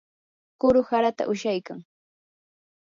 kuru harata ushaykan.